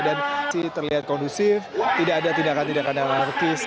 dan terlihat kondusif tidak ada tindakan tindakan yang artis